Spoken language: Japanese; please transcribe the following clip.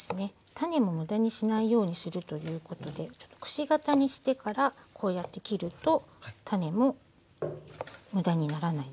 種も無駄にしないようにするということでちょっとくし形にしてからこうやって切ると種も無駄にならないですね。